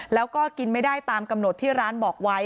แล้วก็กินไม่ได้ตามกำหนดที่ร้านบอกไว้